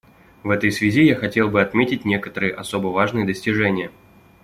В этой связи я хотел бы отметить некоторые особо важные достижения.